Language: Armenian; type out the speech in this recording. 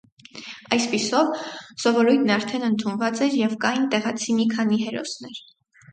Այսպիսով, սովորույթն արդեն ընդունված էր և կային տեղացի մի քանի հերոսներ։